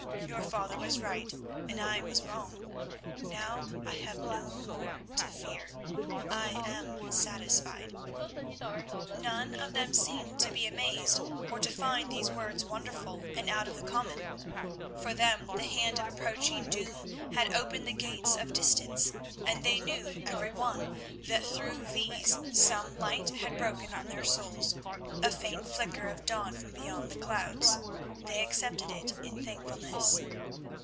Your father was right and I was wrong. Now I have no more to fear; I am satisfied." None of them seemed to be amazed or to find these words wonderful and out of the common. For them the hand of approaching Doom had opened the gates of Distance, and they knew everyone that through these some light had broken on their souls, a faint flicker of dawn from beyond the clouds. They accepted it in thankfulness.